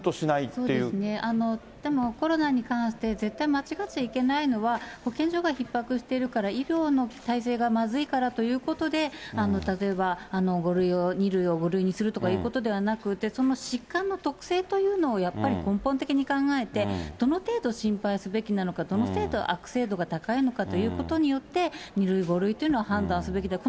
そうですね、でもコロナに関して絶対間違っちゃいけないのは保健所がひっ迫しているから、医療の体制がまずいからということで、例えば２類を５類にするということではなくて、その疾患の特性というのをやっぱり根本的に考えて、どの程度心配すべきなのか、どの程度悪性度が高いのかということによって２類、５類というのを判断すべきだと。